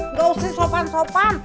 nggak usah sopan sopan